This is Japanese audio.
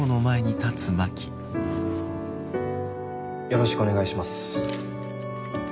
よろしくお願いします。